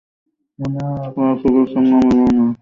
পরে চিকিৎসার নামে ইমনের বাঁ হাতের আঙুল শক্ত করে বাঁধেন হোসেন আলী।